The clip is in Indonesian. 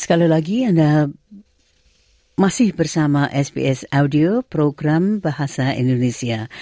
sekali lagi anda masih bersama sps audio program bahasa indonesia